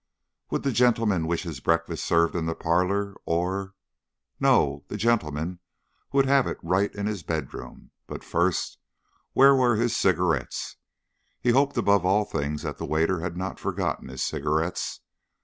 Would the gentleman wish his breakfast served in the parlor or No, the gentleman would have it right in his bedroom; but first, where were his cigarettes? He hoped above all things that the waiter had not forgotten his cigarettes.